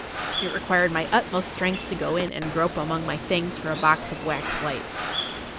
It required my utmost strength to go in and grope among my things for a box of wax lights.